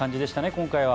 今回は。